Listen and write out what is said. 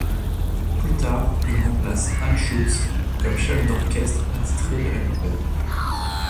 Plus tard, il remplace Anschutz comme chef d'orchestre attitré de la compagnie.